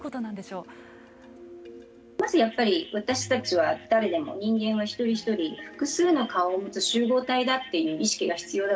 まずやっぱり私たちは誰でも人間は一人一人複数の顔を持つ集合体だっていう意識が必要だと思うんですね。